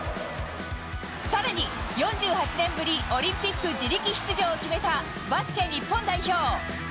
さらに、４８年ぶり、オリンピック自力出場を決めたバスケ日本代表。